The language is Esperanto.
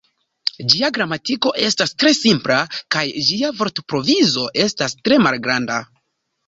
Ĝia gramatiko estas tre simpla kaj ĝia vortprovizo estas tre malgranda.